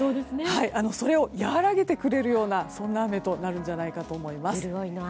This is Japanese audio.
それを和らげてくれるようなそんな雨になるかと思います。